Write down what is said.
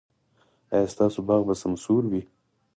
ایا ستاسو باغ به سمسور وي؟